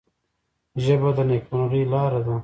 ژبه د نیکمرغۍ لاره ده